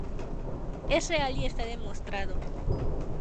Es real y está demostrado.